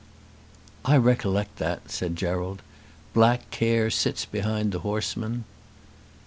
'" "I recollect that," said Gerald. "Black care sits behind the horseman."